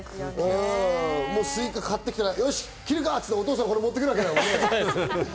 スイカ買ってきたら、よし切るかと言って、お父さんこれ持ってくるわけだね。